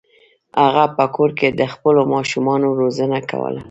هغه په کور کې د خپلو ماشومانو روزنه کوله.